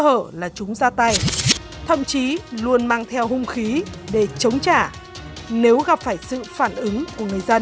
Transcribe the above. hở là chúng ra tay thậm chí luôn mang theo hung khí để chống trả nếu gặp phải sự phản ứng của người dân